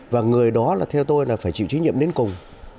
và người đó là theo tôi là phải chịu trách nhiệm đến cùng